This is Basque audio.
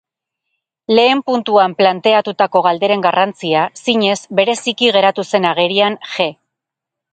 Lehen puntuan planteatutako galderen garrantzia, zinez, bereziki geratu zen agerian G.